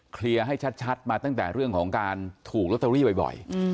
เคลียร์ให้ชัดมาตั้งแต่เรื่องของการถูกลอตเตอรี่บ่อย